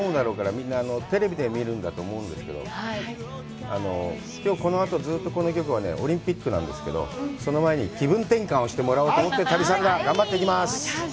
みんなでテレビで見るんだろうけども、きょう、このあと、ずっと、この局はオリンピックなんですけど、その前に気分転換をしてもらおうと思って旅サラダ、頑張っていきましょう。